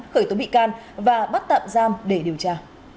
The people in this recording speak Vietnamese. khởi tố bị can và bắt tạm giam để điều tra